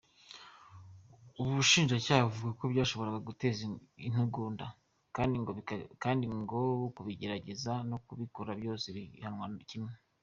Ubushinjacyaha buvuga ko byashoboraga guteza intugunda, kandi ngo kubigerageza no kubikora byose bihanwa kimwe.